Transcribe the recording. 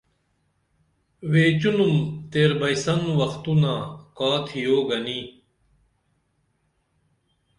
ویچینُم تیر بئیسن وختونہ کا تِھیو گنی